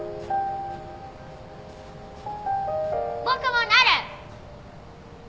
僕もなる！